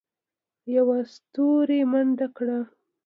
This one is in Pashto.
یوه ستوري منډه کړه.